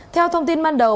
theo thông tin ban đầu